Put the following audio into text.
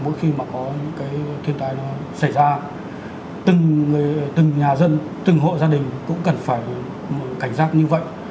nhưng mà có những cái thiên tài nó xảy ra từng nhà dân từng hộ gia đình cũng cần phải cảnh gác như vậy